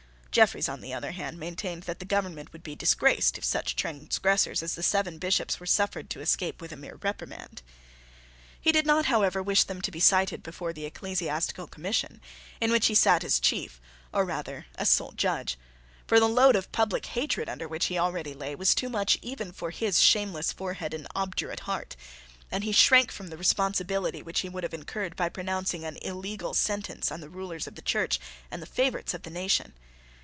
Jeffreys, on the other hand, maintained that the government would be disgraced if such transgressors as the seven Bishops were suffered to escape with a mere reprimand. He did not, however, wish them to be cited before the Ecclesiastical Commission, in which he sate as chief or rather as sole judge. For the load of public hatred under which he already lay was too much even for his shameless forehead and obdurate heart; and he shrank from the responsibility which he would have incurred by pronouncing an illegal sentence on the rulers of the Church and the favourites of the nation.